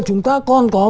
chúng ta còn có